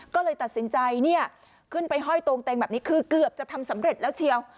ก็เลยตัดสินใจเนี่ยขึ้นไปห้อยตรงเต็งแบบนี้คือเกือบจะทำสำเร็จแล้วเชียว